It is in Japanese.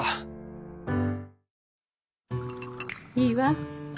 いいわ。